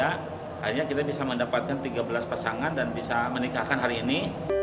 akhirnya kita bisa mendapatkan tiga belas pasangan dan bisa menikahkan hari ini